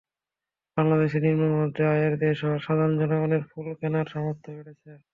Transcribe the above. বাংলাদেশ নিম্নমধ্য আয়ের দেশ হওয়ায় সাধারণ জনগণের ফুল কেনার সামর্থ্য বেড়েছে।